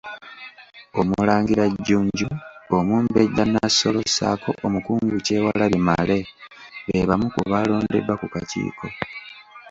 Omulangira Jjunju, Omumbejja Nassolo ssaako Omukungu Kyewalabye Male be bamu ku baalondeddwa ku kakiiko.